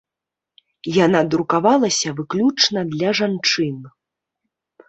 Яна друкавалася выключна для жанчын.